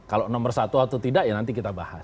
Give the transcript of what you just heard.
kalau nomor satu atau tidak ya nanti kita bahas